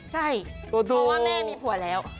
ใช่เพราะว่าแม่มีผัวแล้ว